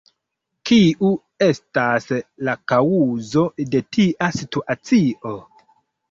Kiu estas la kaŭzo de tia situacio?